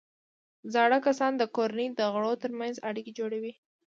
زاړه کسان د کورنۍ د غړو ترمنځ اړیکې جوړوي